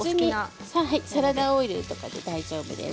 サラダオイルでも大丈夫です。